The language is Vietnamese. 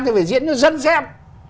thì phải diễn cho dân xem